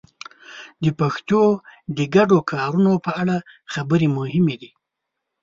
د پښتو د ګډو کارونو په اړه خبرې مهمې دي.